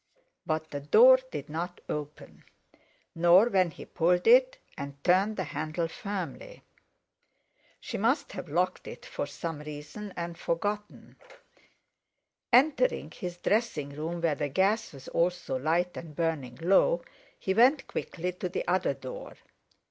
But the door did not open, nor when he pulled it and turned the handle firmly. She must have locked it for some reason, and forgotten. Entering his dressing room, where the gas was also lighted and burning low, he went quickly to the other door.